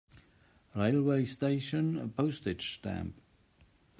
Railway station Postage stamp.